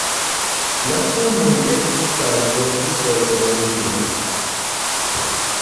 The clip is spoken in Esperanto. La ŝtonoj estis alportitaj el Anglio.